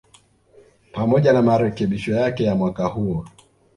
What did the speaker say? pamoja na marekebisho yake ya mwaka huo